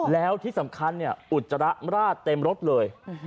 แล้วที่สำคัญอุจจระร่าเต็มรถเลย